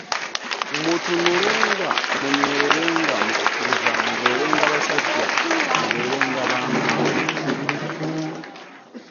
Mutunulenga, munywerenga mu kukkiriza, mubeerenga basajja, mubeerenga ba maanyi.